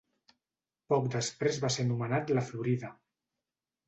Poc després va ser anomenat La Florida.